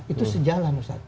itu sejalan ustadz